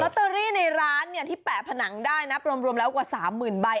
เตอรี่ในร้านที่แปะผนังได้นะรวมแล้วกว่า๓๐๐๐ใบ